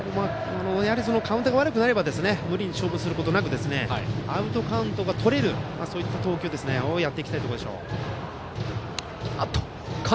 カウントが悪くなれば無理に勝負することなくアウトカウントがとれる投球をやっていきたいところでしょう。